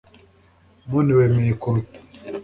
none wemeye kuruta